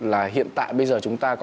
là hiện tại bây giờ chúng ta có thể làm gì